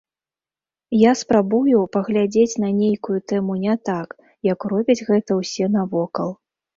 Я спрабую паглядзець на нейкую тэму не так, як робяць гэта ўсе навокал.